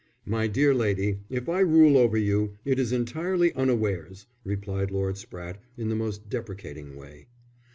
"My dear lady, if I rule over you it is entirely unawares," replied Lord Spratte, in the most deprecating way.